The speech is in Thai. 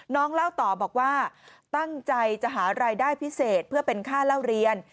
เล่าต่อบอกว่าตั้งใจจะหารายได้พิเศษเพื่อเป็นค่าเล่าเรียน